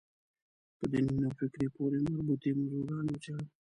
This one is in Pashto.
په دیني نوفکرۍ پورې مربوطې موضوع ګانې وڅېړم.